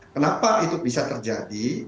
kenapa itu bisa terjadi